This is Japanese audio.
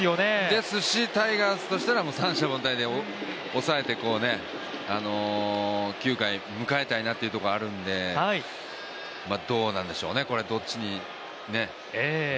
ですし、タイガースとしては三者凡退で抑えて、９回を迎えたいなというところはあるんでどうなんでしょうね。